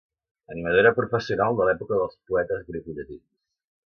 Animadora professional de l'època dels poetes grecollatins.